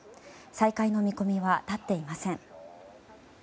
再開の見込みは立っていません。